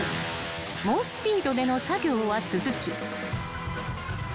［猛スピードでの作業は続き］